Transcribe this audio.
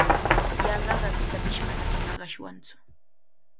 Yanqaqa pitapish manami maqashwantsu.